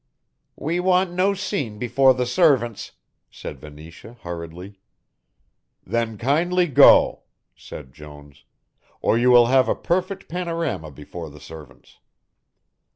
"We want no scene before the servants," said Venetia hurriedly. "Then kindly go," said Jones, "or you will have a perfect panorama before the servants."